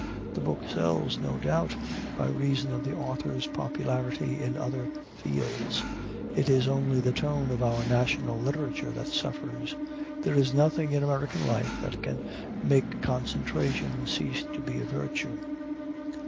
The book sells, no doubt, by reason of the author's popularity in other fields; it is only the tone of our national literature that suffers. There is nothing in American life that can make concentration cease to be a virtue.